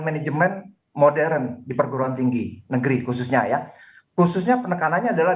manajemen modern di perguruan tinggi negeri khususnya ya khususnya penekanannya adalah